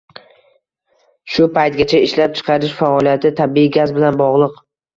Shu paytgacha ishlab chiqarish faoliyati tabiiy gaz bilan bogʻliq